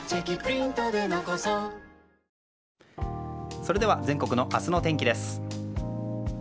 それでは全国の明日の天気です。